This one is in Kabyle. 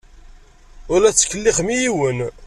Ur la tettkellixem i yiwen.